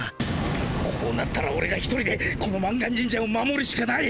こうなったらオレが一人でこの満願神社を守るしかない！